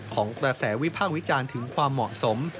ของกระแสวิพากษ์วิจารณ์ถึงความเหมาะสม